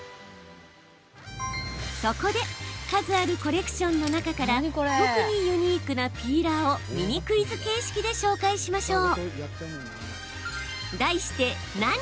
そこで、数あるコレクションの中から特にユニークなピーラーをミニクイズ形式で紹介しましょう。